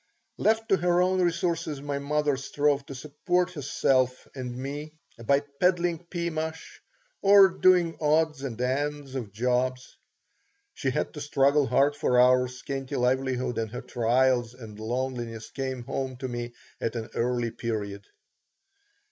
Left to her own resources, my mother strove to support herself and me by peddling pea mush or doing odds and ends of jobs. She had to struggle hard for our scanty livelihood and her trials and loneliness came home to me at an early period.